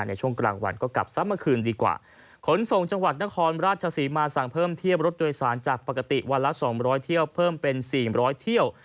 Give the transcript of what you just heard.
ในช่วงกลางวันก็กลับซ้ำเมื่อคืนดีกว่าขนส่งจังหวัดนครราชศรีมาสั่งเพิ่มเที่ยวรถโดยสารจากปกติวันละสองร้อยเที่ยวเพิ่มเป็นสี่ร้อยเที่ยว